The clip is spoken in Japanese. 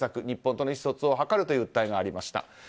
日本との意思疎通を図るという訴えがありました。